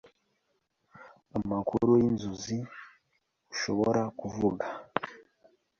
Amakuru yinzozi ushobora kuvuga